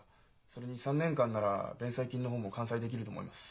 それに３年間なら弁済金の方も完済できると思います。